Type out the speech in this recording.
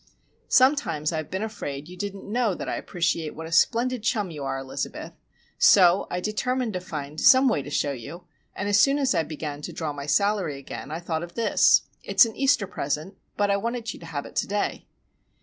Sometimes I have been afraid you didn't know that I appreciate what a splendid chum you are, Elizabeth. So I determined to find some way to show you, and as soon as I began to draw my salary again I thought of this. It's an Easter present,—but I wanted you to have it to day."